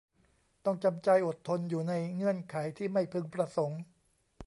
ต้องจำใจอดทนอยู่ในเงื่อนไขที่ไม่พึงประสงค์